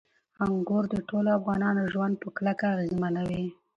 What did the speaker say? انګور د ټولو افغانانو ژوند په کلکه اغېزمنوي.